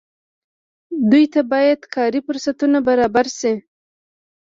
دوی ته باید کاري فرصتونه برابر شي.